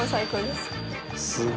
「すごいな」